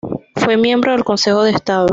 Fue miembro del Consejo de Estado.